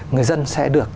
người dân sẽ được